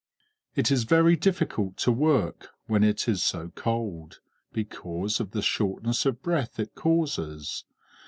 It is very difficult to work when it is so cold, because of the shortness of breath it causes.